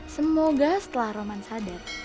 semoga setelah roman sadar